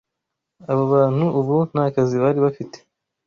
Abo bantu ubu nta kazi bari bafite.